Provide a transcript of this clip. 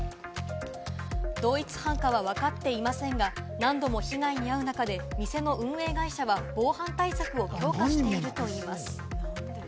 同一犯かはわかっていませんが、何度も被害に遭う中で、店の運営会社は防犯対策を強化しているといいます。